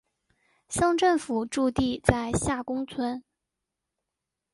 乡政府驻地在下宫村。